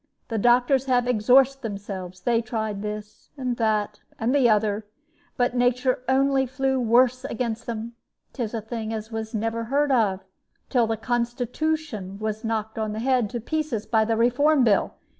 The doctors have exorced themselves. They tried this, that, and the other, but nature only flew worse against them. 'Tis a thing as was never heard of till the Constitooshon was knocked on the head and to pieces by the Reform Bill.